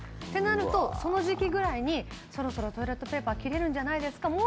ってなるとその時期ぐらいにそろそろトイレットペーパー切れるんじゃないですか